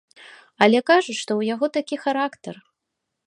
Але кажуць, што ў яго такі характар.